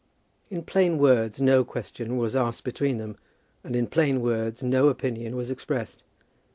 In plain words no question was asked between them, and in plain words no opinion was expressed.